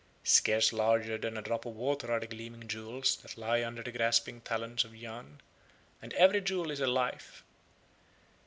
Scarce larger than a drop of water are the gleaming jewels that lie under the grasping talons of Yahn, and every jewel is a life.